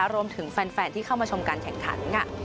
รวมถึงแฟนที่เข้ามาชมการแข่งขัน